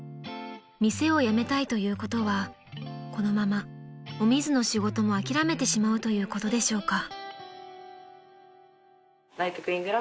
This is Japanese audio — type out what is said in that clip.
［店を辞めたいということはこのままお水の仕事も諦めてしまうということでしょうか］